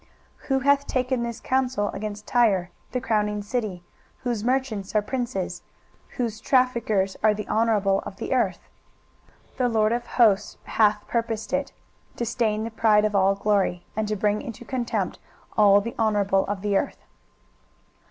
23:023:008 Who hath taken this counsel against Tyre, the crowning city, whose merchants are princes, whose traffickers are the honourable of the earth? 23:023:009 The LORD of hosts hath purposed it, to stain the pride of all glory, and to bring into contempt all the honourable of the earth.